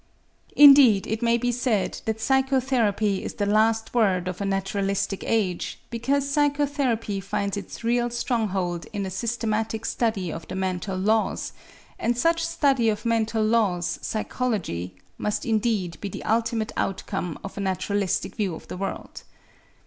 Indeed it may be said that psychotherapy is the last word of a naturalistic age, because psychotherapy finds its real stronghold in a systematic study of the mental laws, and such study of mental laws, psychology, must indeed be the ultimate outcome of a naturalistic view of the world.